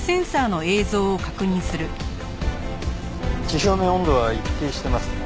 地表面温度は一定してますね。